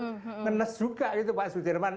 menes juga itu pak sudirman